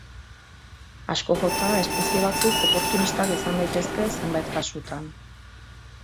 Asko jota, espezie batzuk oportunistak izan daitezke zenbait kasutan.